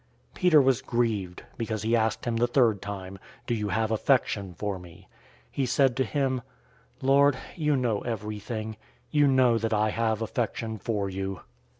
Peter was grieved because he asked him the third time, "Do you have affection for me?" He said to him, "Lord, you know everything. You know that I have affection for you."